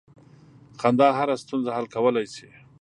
• خندا هره ستونزه حل کولی شي.